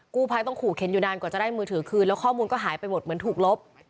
กู้ภัยต้องขู่เข็นอยู่นานกว่าจะได้มือถือคืนแล้วข้อมูลก็หายไปหมดเหมือนถูกลบ